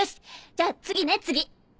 じゃあ次ね次！